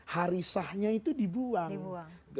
harithahnya itu dibuang